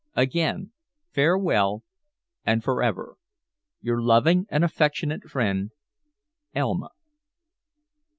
Again farewell, and for ever. "Your loving and affectionate friend, "Elma."